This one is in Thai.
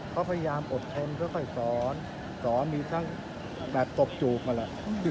เขาพยายามอดเท้นเพื่อค่อยสอนสอนมีทั้งแบบตบจูบมาแล้ว